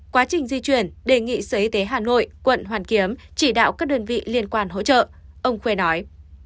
quá trình di chuyển đề nghị sở y tế hà nội quận hoàn kiếm chỉ đạo các đơn vị liên quan hỗ trợ ông khuê nói